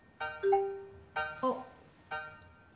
あっ。